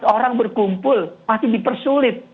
seratus orang berkumpul pasti dipersulit